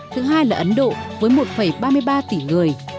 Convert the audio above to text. thứ hai là ấn độ với một ba mươi ba tỷ người